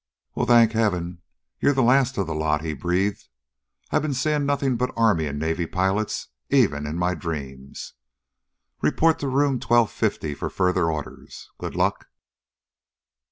"Well, thank Heaven, you're the last of the lot!" he breathed. "I've been seeing nothing but Army and Navy pilots even in my dreams. Report to Room Twelve Fifty for further orders. Good luck."